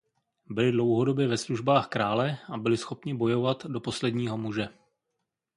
Byli dlouhodobě ve službách krále a byli schopni bojovat do posledního muže.